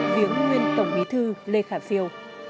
viếng nguyên tổng bí thư lê khả phiêu